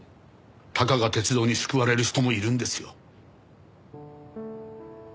たかが鉄道に救われる人もいるんですよ。